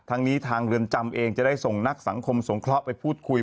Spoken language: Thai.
ทางนี้ทางเรือนจำเองจะได้ส่งนักสังคมสงเคราะห์ไปพูดคุย